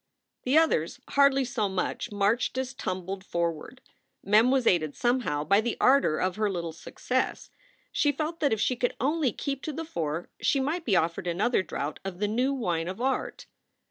The others hardly so much marched as tumbled forward. Mem was aided somehow by the ardor of her little success. She felt that if she could only keep to the fore she might be offered another draught of the new wine of art.